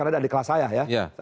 karena dia adik kelas saya ya